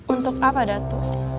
untuk apa dato'